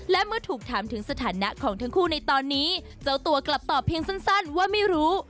และเมื่อถูกถามถึงสถานะของทั้งคู่ในตอนนี้เจ้าตัวกลับตอบเพียงสั้นว่าไม่รู้